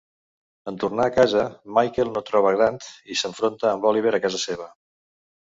En tornar a casa, Michael no troba Grant i s'enfronta amb Oliver a casa seva.